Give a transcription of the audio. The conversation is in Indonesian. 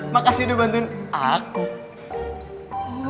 makasih udah bantuin aku